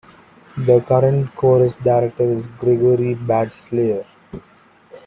The current chorus director is Gregory Batsleer.